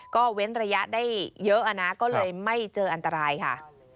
ก็เว้นระยะได้เยอะนะก็เลยไม่เจออันตรายค่ะ